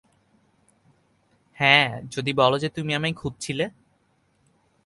হ্যাঁ, যদি বলো যে তুমি আমায় খুঁজছিলে।